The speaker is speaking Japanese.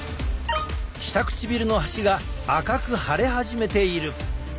下唇の端が赤く腫れ始めている。